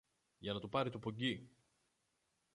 για να του πάρει το πουγγί